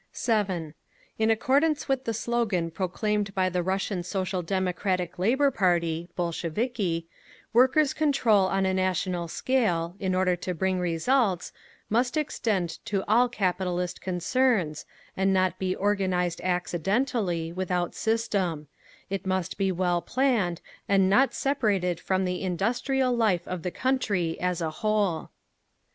7. In accordance with the slogan proclaimed by the Russian Social Democratic Labour Party (Bolsheviki), Workers' Control on a national scale, in order to bring results, must extend to all capitalist concerns, and not be organised accidentally, without system; it must be well planned, and not separated from the industrial life of the country as a whole.